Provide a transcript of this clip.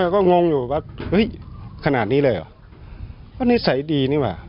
ก็งงอยู่ว่าเฮ้ยขนาดนี้เลยเหรอก็นิสัยดีนี่ว่ะ